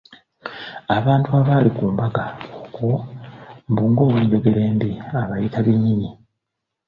Abantu abaali ku mbaga okwo mbu ng'owenjogera mbi abayita binyinyi